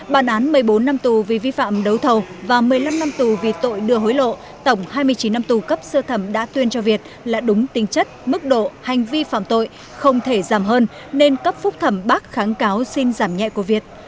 bản án một mươi bốn năm tù vì vi phạm đấu thầu và một mươi năm năm tù vì tội đưa hối lộ tổng hai mươi chín năm tù cấp sơ thẩm đã tuyên cho việt là đúng tính chất mức độ hành vi phạm tội không thể giảm hơn nên cấp phúc thẩm bác kháng cáo xin giảm nhẹ của việt